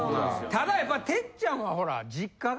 ただやっぱり哲ちゃんはほら実家が。